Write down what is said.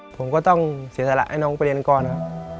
ผมก็ต้องเสียสละให้น้องไปเรียนก่อนครับ